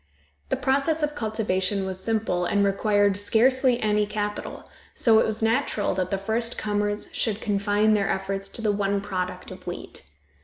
The process of cultivation was simple, and required scarcely any capital, so it was natural that the first comers should confine their efforts to the one product of wheat.